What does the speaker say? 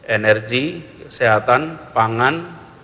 energi kesehatan pangan